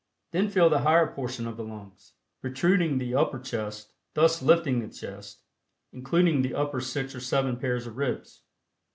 Then fill the higher portion of the lungs, protruding the upper chest, thus lifting the chest, including the upper six or seven pairs of ribs.